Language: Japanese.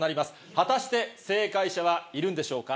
果たして正解者はいるんでしょうか？